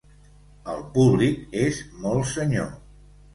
El públic és molt senyor.